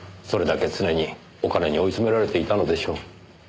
それだけ常にお金に追い詰められていたのでしょう。